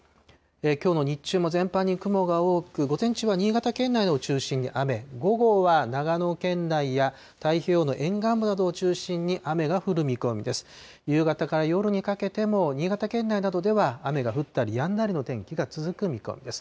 きょうの日中も全般に雲が多く、午前中は新潟県内を中心に雨、午後は長野県内や太平洋の沿岸部などを中心に雨が降る見込みです。